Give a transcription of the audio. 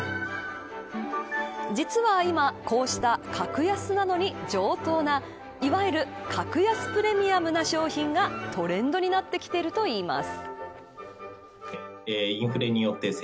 実は今、こうした格安なのに上等ないわゆる格安プレミアムな商品がトレンドになってきているといいます。